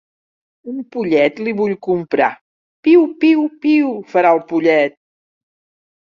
Un pollet li vull comprar. Piu, piu, piu, farà el pollet.